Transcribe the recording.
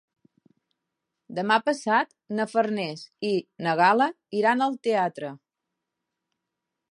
Demà passat na Farners i na Gal·la iran al teatre.